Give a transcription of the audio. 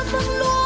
từ phương lúa